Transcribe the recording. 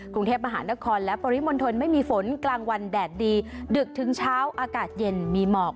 กรุงเทพมหานครและปริมณฑลไม่มีฝนกลางวันแดดดีดึกถึงเช้าอากาศเย็นมีหมอก